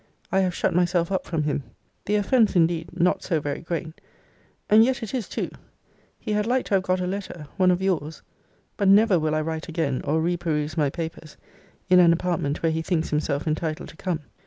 I have shut myself up from him. The offence indeed not so very great and yet it is too. He had like to have got a letter. One of your's. But never will I write again, or re peruse my papers, in an apartment where he thinks himself entitled to come.